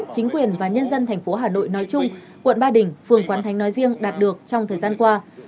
chính quyền và nhân dân thành phố hà nội nói chung quận ba đình phường quán thánh nói riêng đạt được trong thời gian qua